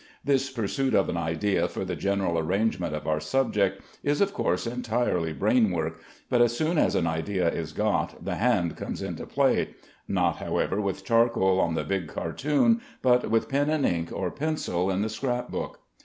This pursuit of an idea for the general arrangement of our subject is of course entirely brain work, but as soon as an idea is got, the hand comes into play; not, however, with charcoal on the big cartoon, but with pen and ink or pencil in the scrap book.